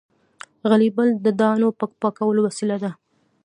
غلبېل د دانو د پاکولو وسیله ده